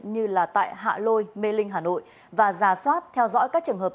như tại hạ lôi mê linh hà nội và giả soát theo dõi các trường hợp